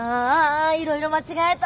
いろいろ間違えた。